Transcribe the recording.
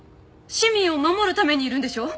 市民を守るためにいるんでしょ！